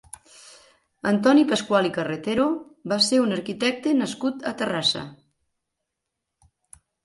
Antoni Pascual i Carretero va ser un arquitecte nascut a Terrassa.